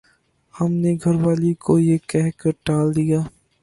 ہم نے گھر والی کو یہ کہہ کر ٹال دیا